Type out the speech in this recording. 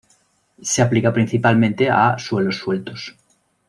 Se aplica principalmente a suelos sueltos.